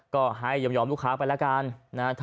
ก็ให้ยอมทุกค้าไปละกัน